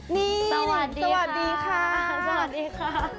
นี่สวัสดีค่ะสวัสดีค่ะ